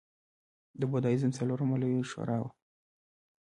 د بودیزم څلورمه لویه شورا وه